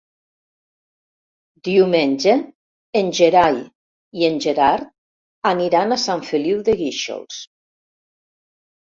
Diumenge en Gerai i en Gerard aniran a Sant Feliu de Guíxols.